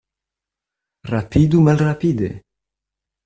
Rapidu malrapide.